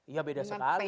iya beda sekali